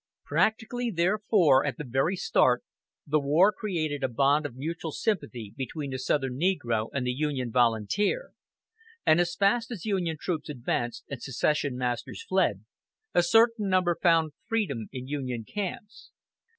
Practically therefore, at the very start, the war created a bond of mutual sympathy between the southern negro and the Union volunteer; and as fast as Union troops advanced and secession masters fled, a certain number found freedom in Union camps.